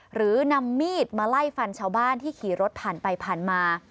หรือนำมีดมาไล่ฟันชาวบ้านที่ขี่รถผ่านไปผ่านมา